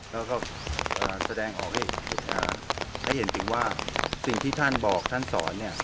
แล้วก็แสดงออกให้เห็นถึงว่าสิ่งที่ท่านบอกท่านสอนเนี่ย